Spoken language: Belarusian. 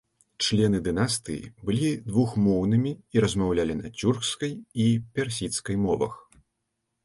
Члены дынастыі былі двухмоўнымі і размаўлялі на цюркскай і персідскай мовах.